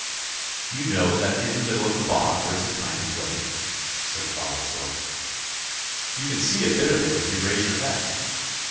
' You know that in the middle of the bog there is a kind of lake," said father stork. :' You can see a bit of it if you raise your head.